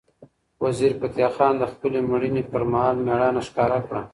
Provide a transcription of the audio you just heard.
وزیرفتح خان د خپلې مړینې پر مهال مېړانه ښکاره کړه.